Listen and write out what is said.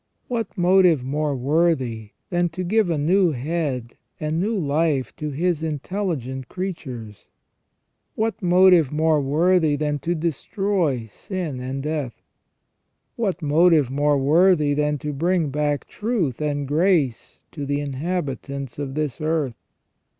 What motive more worthy than to give a new head and new life to His intelligent creatures ? What motive more worthy than to destroy sin and death ? What motive more worthy than to bring back truth and grace to the inhabitants of this earth